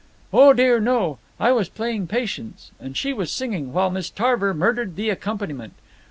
"Oh dear no! I was playing patience, and she was singing, while Miss Tarver murdered the accompaniment.